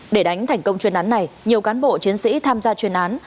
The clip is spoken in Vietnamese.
để đánh thành công chuyên án này nhiều cán bộ chiến sĩ tham gia chuyên án